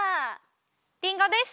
リンゴです！